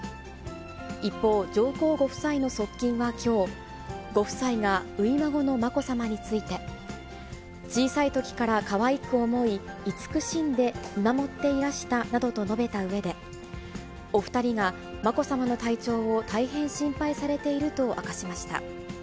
一方、上皇ご夫妻の側近はきょう、ご夫妻が初孫のまこさまについて、小さいときからかわいく思い、慈しんで見守っていらしたなどと述べたうえで、お２人が、まこさまの体調を大変心配されていると明かしました。